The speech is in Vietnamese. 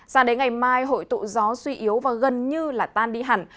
sáng đến ngày mai hội tụ gió suy yếu và gần như tan đi hẳn